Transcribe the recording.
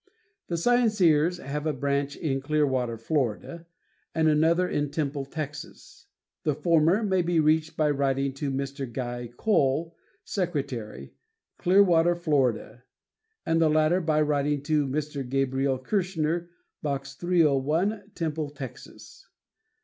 The Scienceers have a branch in Clearwater, Florida, and another in Temple, Texas. The former may be reached by writing to Mr. Guy Cole, Secretary, Clearwater, Florida, and the latter by writing to Mr. Gabriel Kirschner, Box 301, Temple, Texas.